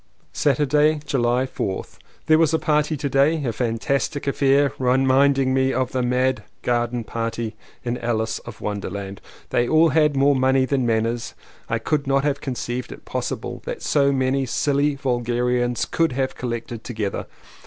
Saturday, July 4th. There was a party to day — a fantastic affair — reminding me of the mad garden party in Jlice of Wonderland. They all had more money than manners. I could not have conceived it possible that so many silly vulgarians could have collected together!